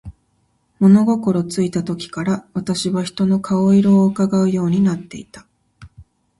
物心ついた時から、私は人の顔色を窺うようになっていた。